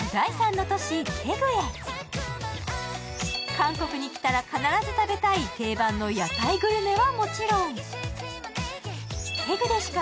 韓国に来たら必ず食べたい定番の屋台グルメはもちろんテグでしあ